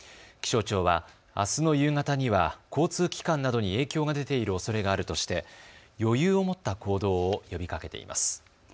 気象庁は、あすの夕方には交通機関などに影響が出ているおそれがあるとして余裕を持った行動を呼びかけています。